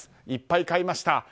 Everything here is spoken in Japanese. いっぱい買いました。